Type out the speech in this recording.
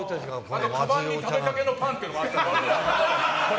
あと、かばんに食べかけのパンっていうのもあったけど。